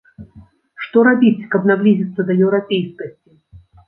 Што рабіць, каб наблізіцца да еўрапейскасці?